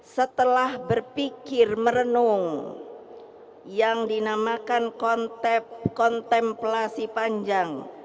setelah berpikir merenung yang dinamakan kontemplasi panjang